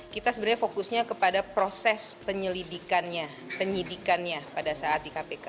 kita sebenarnya fokusnya kepada proses penyelidikannya penyidikannya pada saat di kpk